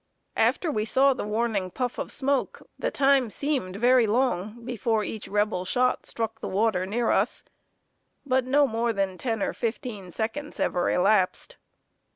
After we saw the warning puff of smoke, the time seemed very long before each Rebel shot struck the water near us; but no more than ten or fifteen seconds ever elapsed.